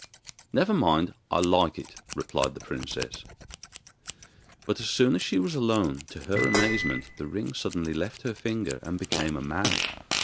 'Never mind, I like it,' replied the princess. But as soon as she was alone, to her amazement, the ring suddenly left her finger and became a man.